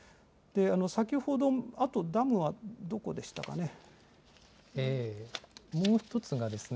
先ほど、あとダムはどこでしたかもう１つがですね。